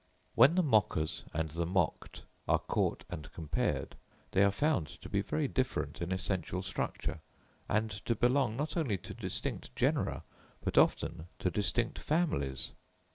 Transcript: When the mockers and the mocked are caught and compared, they are found to be very different in essential structure, and to belong not only to distinct genera, but often to distinct families.